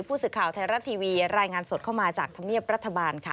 ผู้สื่อข่าวไทยรัฐทีวีรายงานสดเข้ามาจากธรรมเนียบรัฐบาลค่ะ